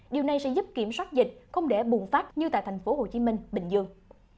điều này sẽ giúp kiểm soát dịch không để bùng phát như tại tp hcm bình dương